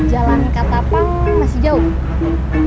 jalan katapang masih jauh